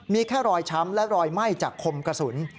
มีแค่รอยช้ำและรอยไหม้จากคมกระสุน